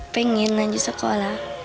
pengen lanjut sekolah